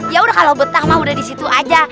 yaudah kalo betang mah udah disitu aja